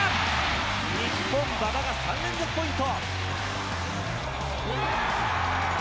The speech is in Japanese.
日本、馬場が３連続ポイント。